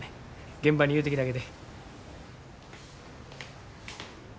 現場に言うてきたげて。